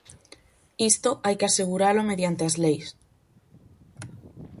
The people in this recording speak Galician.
Isto hai que aseguralo mediante as leis.